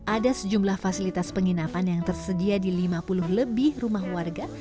ada sejumlah fasilitas penginapan yang tersedia di lima puluh lebih rumah warga